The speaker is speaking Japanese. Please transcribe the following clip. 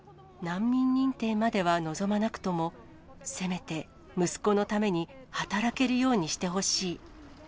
難民認定までは望まなくとも、せめて息子のために働けるようにしてほしい。